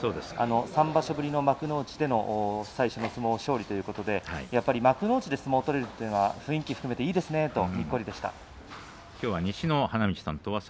３場所ぶりの幕内での最初の相撲が勝利ということで幕内で相撲が取れるのは雰囲気も含めていいですねとにっこりでした。